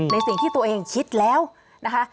ในสิ่งที่ตัวเองคิดแล้วนะคะ